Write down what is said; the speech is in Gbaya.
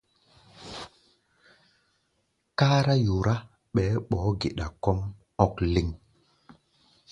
Kárá yorá, ɓɛɛ ɓɔ́ɔ́-geda kɔ́ʼm ɔ̧́k léŋ.